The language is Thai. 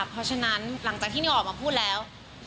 เพราะฉะนั้นหลังจากที่นิวออกมาพูดแล้ว